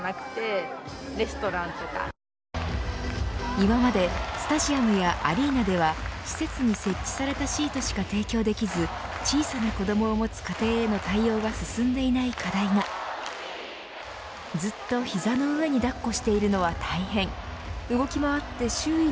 今までスタジアムやアリーナでは施設に設置されたシートしか提供できず小さな子どもを持つ家庭への対応が進んでいないことからずっと膝の上にだっこしているのは大変。